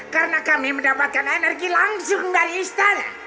karena kami mendapatkan energi langsung dari istana